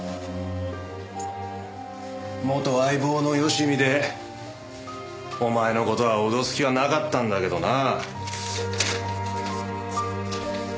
元相棒のよしみでお前の事は脅す気はなかったんだけどな。